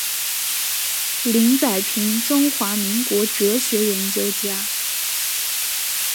林宰平中华民国哲学研究家。